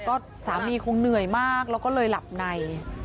ก็สามีคงเหนื่อยมากแล้วก็เลยหลับใน